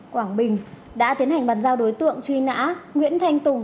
quảng bình đã tiến hành bàn giao đối tượng truy nã nguyễn thanh tùng